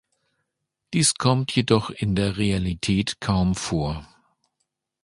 Dies kommt jedoch in der Realität kaum vor.